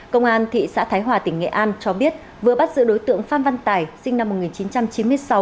công an thị xã thái hòa tỉnh nghệ an cho biết vừa bắt giữ đối tượng phan văn tài sinh năm một nghìn chín trăm chín mươi sáu